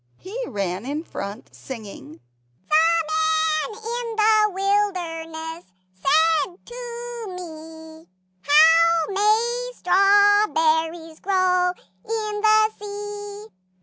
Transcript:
He ran in front, singing "The man in the wilderness said to me, `How may strawberries grow in the sea?'